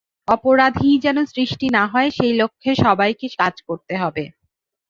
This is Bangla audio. অপরাধীই যেন সৃষ্টি না হয়, সেই লক্ষ্যে সবাইকে কাজ করতে হবে।